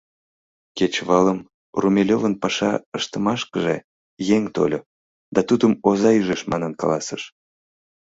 Кечывалым Румелёвын паша ыштымашкыже еҥ тольо да тудым оза ӱжеш манын каласыш.